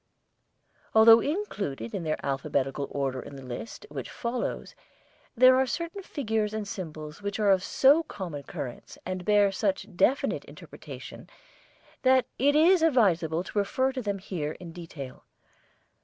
Although included in their alphabetical order in the list which follows, there are certain figures and symbols which are of so common occurrence and bear such definite interpretation that it is advisable to refer to them here in detail.